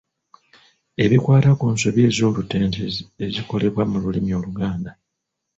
Ebikwata ku nsobi ez'olutentezi ezikolebwa mu lulimi Oluganda.